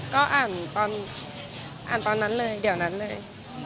ก็อ่านตอนนั้นเลยเดี๋ยวนั้นเลย